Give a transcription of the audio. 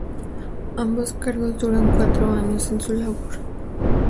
Ambos cargos duran cuatro años en su labor.